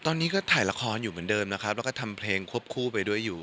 ตอนนี้ก็ถ่ายละครอยู่เหมือนเดิมนะครับแล้วก็ทำเพลงควบคู่ไปด้วยอยู่